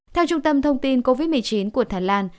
theo trung tâm thông tin covid một mươi chín của thái lan